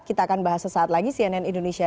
kita akan bahas sesaat lagi cnn indonesia